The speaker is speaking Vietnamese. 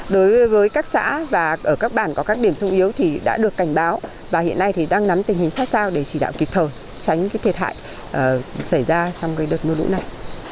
đối với các xã và ở các bản có các điểm sung yếu thì đã được cảnh báo và hiện nay thì đang nắm tình hình sát sao để chỉ đạo kịp thời tránh thiệt hại xảy ra trong đợt mưa lũ này